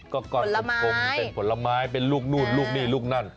ก็ก้อนกลมเป็นผลไม้เป็นลูกนู่นลูกนี่ลูกนั่น